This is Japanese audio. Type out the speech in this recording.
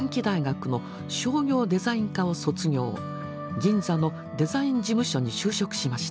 銀座のデザイン事務所に就職しました。